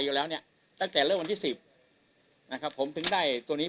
อยู่แล้วเนี่ยตั้งแต่เริ่มวันที่สิบนะครับผมถึงได้ตัวนี้